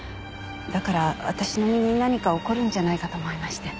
だから私の身に何か起こるんじゃないかと思いまして。